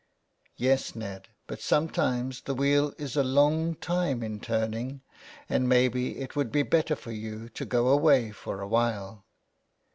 *' Yes, Ned, but sometimes the wheel is a long time in turning, and maybe it would be better for you to go away for a while."